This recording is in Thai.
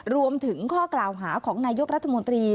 รวมถึงข้อกล่าวหาของนายกรัฐมนตรี